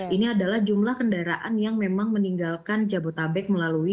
ini adalah jumlah kendaraan yang memang meninggalkan jabodetabek melalui